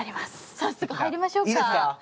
早速、入りましょうか。